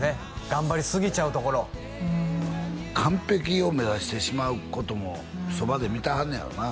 頑張りすぎちゃうところうん完璧を目指してしまうこともそばで見てはんねやろな